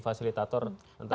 fasilitator antara keluarga